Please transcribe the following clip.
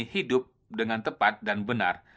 hidup dengan tepat dan benar